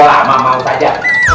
kalau udah lama mau saja